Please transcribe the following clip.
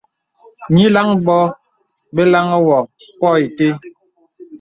Nīləŋ bǒ bə laŋhi gô pô itə.